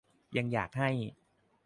ยังอยากให้